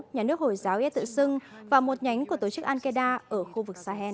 nhà nước hồi giáo yed tự sưng và một nhánh của tổ chức al qaeda ở khu vực sahel